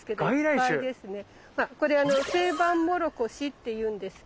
まあこれセイバンモロコシっていうんですけど。